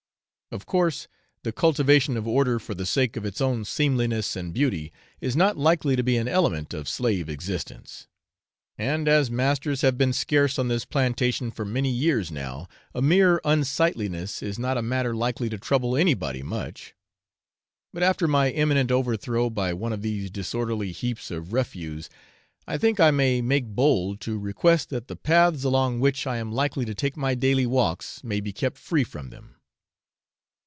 Of course, the cultivation of order for the sake of its own seemliness and beauty is not likely to be an element of slave existence; and as masters have been scarce on this plantation for many years now, a mere unsightliness is not a matter likely to trouble anybody much; but after my imminent overthrow by one of these disorderly heaps of refuse, I think I may make bold to request that the paths along which I am likely to take my daily walks may be kept free from them.